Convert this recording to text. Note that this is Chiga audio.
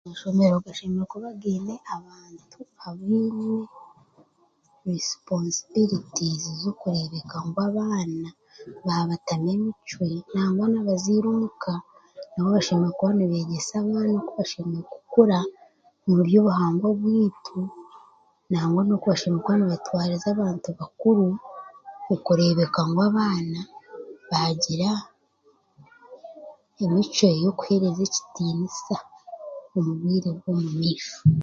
Amashomero gashemereire kuba gaine abantu abaine risiponsibiritizi z'okureebeka ngu abaana waabatamu emicwe nangwa n'abazaire omu ka nibo bashemereire kuba nibeegyesa abaana oku bashemereire kukura omu byobuhangwa byaitu nangwa n'okubashemereire kuba nibatwariza abantu bakuru okureebeka ngu abaana baagira emicwe y'okuheereza ekitiniisa omu bwire bw'omumaisho.